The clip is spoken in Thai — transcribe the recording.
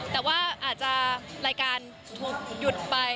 แต่ว่าอาจจะรายการถูกหยุดไป